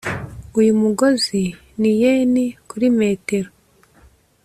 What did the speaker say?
Uyu mugozi ni yen kuri metero